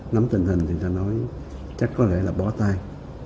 nắm tình hình thì người ta nói chắc có lẽ là bỏ tay